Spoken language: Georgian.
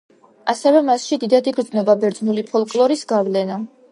ასევე მასში დიდად იგრძნობა ბერძნული ფოლკლორის გავლენა.